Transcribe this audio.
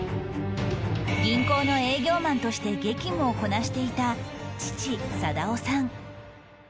銀行の営業マンとして激務をこなしていた父貞雄さん